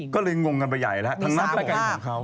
ก็เลยงงกันไปใหญ่แล้วทางหน้าก็เป็นของเขา